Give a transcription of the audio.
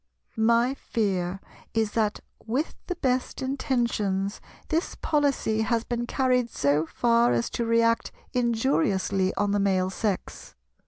My fear is that, with the best intentions, this policy has been carried so far as to react injuriously on the Male Sex.